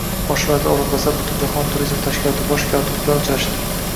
Bosh vazir o‘rinbosari Butunjahon turizm tashkiloti Bosh kotibi bilan uchrashdi